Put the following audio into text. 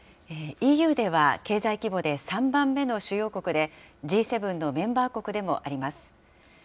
ＥＵでは、経済規模で３番目の主要国で、Ｇ７のメンバー国でもあります。